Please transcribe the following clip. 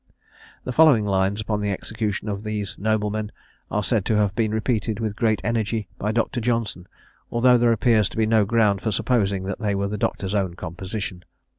The following lines upon the execution of these noblemen are said to have been repeated with great energy by Dr. Johnson, although there appears to be no ground for supposing that they were the Doctor's own composition.